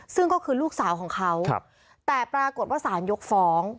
ซึ่งก็คือลูกสาวของเขาแต่ปรากฏว่าสารยกฟ้อง